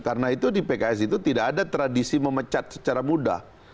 karena itu di pks itu tidak ada tradisi memecat secara mudah